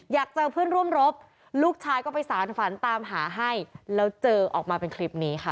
อยากเจอเพื่อนร่วมรบลูกชายก็ไปสารฝันตามหาให้แล้วเจอออกมาเป็นคลิปนี้ค่ะ